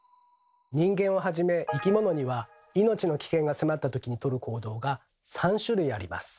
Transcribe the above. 人間をはじめ生き物には命の危険が迫ったときにとる行動が３種類あります。